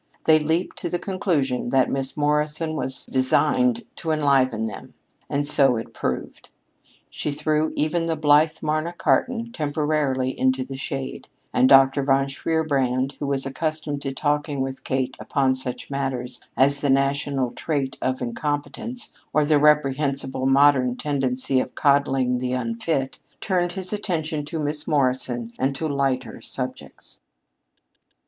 They leaped to the conclusion that Miss Morrison was designed to enliven them. And so it proved. She threw even the blithe Marna Cartan temporarily into the shade; and Dr. von Shierbrand, who was accustomed to talking with Kate upon such matters as the national trait of incompetence, or the reprehensible modern tendency of coddling the unfit, turned his attention to Miss Morrison and to lighter subjects.